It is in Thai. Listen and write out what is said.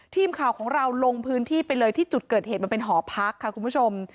ทีมข่าวของเราลงพื้นที่ไปเลยที่จุดเกิดเหตุมันเป็นหอพักค่ะคุณผู้ชม